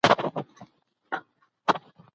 ماشومان په کور کې وږي ناست وو.